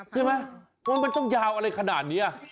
ใช่ไหมว่ามันต้องยาวอะไรขนาดนี้